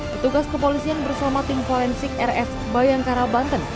petugas kepolisian bersama tim valensik rs bayangkara banten